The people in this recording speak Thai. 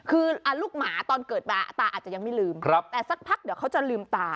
คือลูกหมาตอนเกิดมาตาอาจจะยังไม่ลืมแต่สักพักเดี๋ยวเขาจะลืมตา